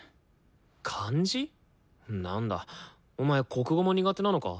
なんだお前国語も苦手なのか？